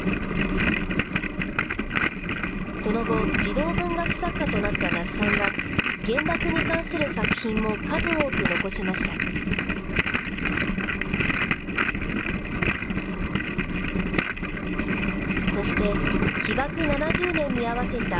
その後、児童文学作家となった那須さんは、原爆に関する作品も数多く残しました。